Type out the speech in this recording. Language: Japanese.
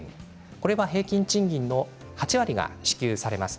これは平均賃金の８割が支給されます。